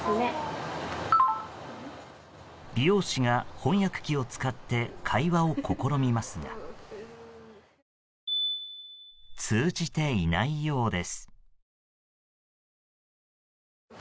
美容師が翻訳機を使って会話を試みますが通じていないようです。